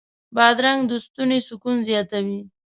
بادرنګ د ستوني سکون زیاتوي.